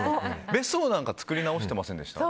別荘なんかを作り直してませんでしたか？